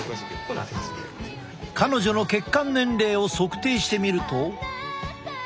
彼女の血管年齢を測定してみると。